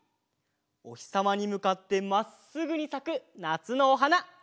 おひさまにむかってまっすぐにさくなつのおはな。